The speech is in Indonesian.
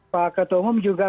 pak ketua umum juga